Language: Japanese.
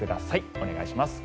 お願いします。